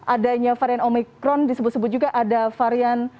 adanya varian omikron disebut sebut juga ada varian